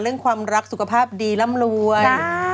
เรื่องความรักสุขภาพดีร่ำรวย